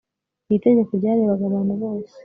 iri tegeko ryarebaga abantu bose